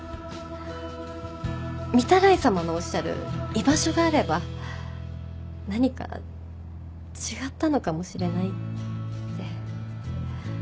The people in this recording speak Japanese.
御手洗さまのおっしゃる居場所があれば何か違ったのかもしれないって。